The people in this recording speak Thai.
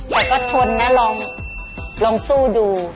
แต่ก็ทนนะลองสู้ดู